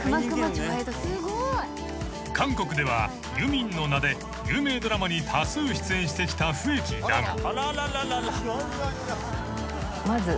［韓国ではユミンの名で有名ドラマに多数出演してきた笛木だが］